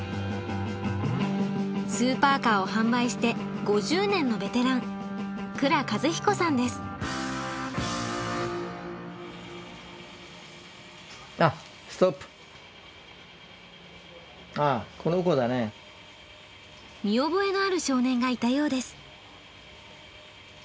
スーパーカーを販売して５０年のベテラン見覚えのある少年がいたようです。